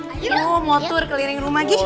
ayo motor keliring rumah gi